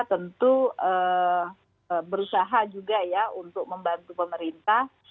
tentu berusaha juga ya untuk membantu pemerintah